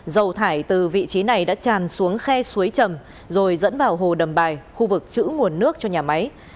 dầu thải từ vị trí này đã tràn xuống khe suối trầm rồi dẫn vào hồ đầm bài khu vực chữ nguồn nước cho nhà máy